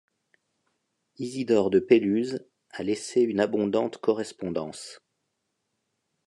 Isidore de Péluse a laissé une abondante correspondance.